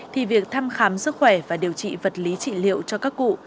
thì việc thăm khám sức khỏe và điều trị vật lý trị liệu cho các cụ